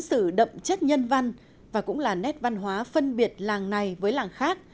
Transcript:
những sự đậm chất nhân văn và cũng là nét văn hóa phân biệt làng này với làng khác